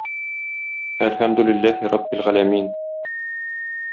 Әлхәмдүлилләәһи раббил гәәләмииин.